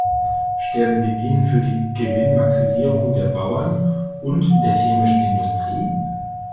Sterben die Bienen für die Gewinnmaximierung der Bauern und der chemischen Industrie?